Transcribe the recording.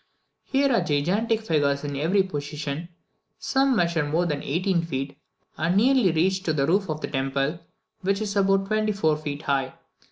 Here are gigantic figures in every position; some measure more than eighteen feet, and nearly reach to the roof of the temple, which is about twenty four feet high.